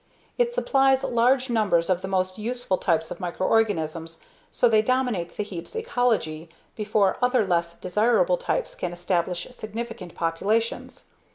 It supplies large numbers of the most useful types of microorganisms so they dominate the heap's ecology before other less desirable types can establish significant populations.